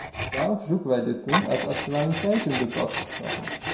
Daarom verzoeken wij dit punt uit het actualiteitendebat te schrappen.